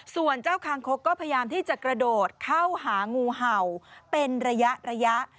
ส่วนเจ้าคางคกก็พยายามที่จะกระโดดเข้าหางูเห่าเป็นระยะ